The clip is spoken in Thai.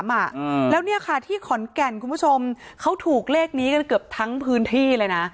แล้วเนี่ยค่ะที่ขอนแก่นคุณผู้ชมเขาถูกเลขนี้กันเกือบทั้งพื้นที่เลยนะ